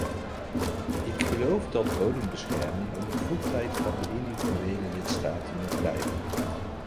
Ik geloof dat bodembescherming een bevoegdheid van de individuele lidstaten moet blijven.